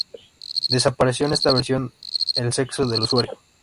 Desapareció en esta versión el sexo del usuario.